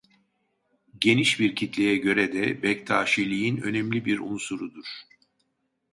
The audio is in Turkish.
Geniş bir kitleye göre de Bektaşîliğin önemli bir unsurudur.